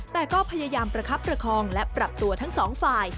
แต่ก็พยายามประคับประคองและปรับตัวทั้งสองฝ่าย